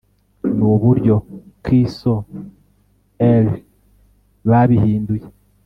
nuburyo ki soe'er babihinduye